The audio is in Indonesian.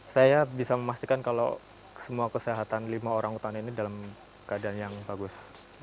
saya bisa memastikan kalau semua kesehatan lima orang utan ini dalam keadaan yang bagus